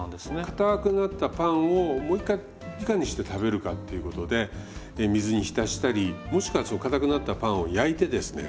硬くなったパンをもう一回いかにして食べるかっていうことで水に浸したりもしくは硬くなったパンを焼いてですね